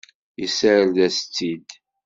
Yessared-as-tt-id.